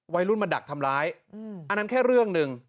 วัยรุ่นมาดักทำร้ายอันนั้นแค่เรื่องหนึ่ง